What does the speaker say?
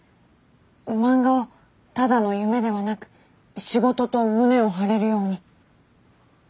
漫画をただの夢ではなく「仕事」と胸を張れるように。